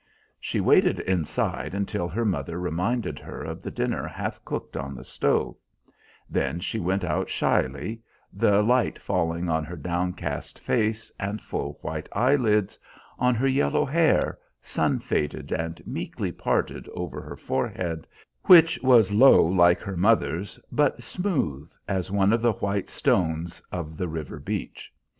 She waited inside until her mother reminded her of the dinner half cooked on the stove; then she went out shyly, the light falling on her downcast face and full white eyelids, on her yellow hair, sun faded and meekly parted over her forehead, which was low like her mother's, but smooth as one of the white stones of the river beach.